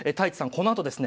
このあとですね